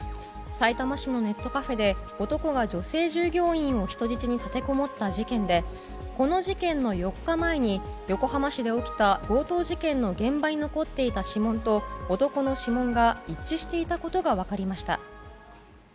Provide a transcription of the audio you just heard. さいたま市のネットカフェで男が女性従業員を人質に立てこもった事件でこの事件の４日前に横浜市で起きた強盗事件の現場に残っていた指紋と男の指紋が一致していたことが分かりました。